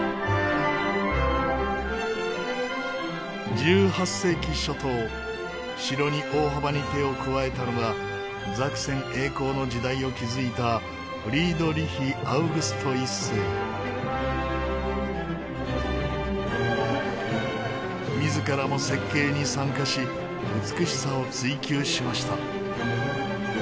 １８世紀初頭城に大幅に手を加えたのがザクセン栄光の時代を築いた自らも設計に参加し美しさを追求しました。